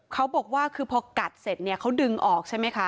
เขาบอกว่าคือพอกัดเสร็จเนี่ยเขาดึงออกใช่ไหมคะ